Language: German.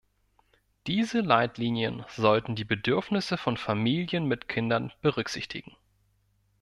Diese Leitlinien sollten die Bedürfnisse von Familien mit Kindern berücksichtigen.